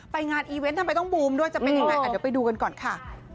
งานอีเวนต์ทำไมต้องบูมด้วยจะเป็นยังไงเดี๋ยวไปดูกันก่อนค่ะ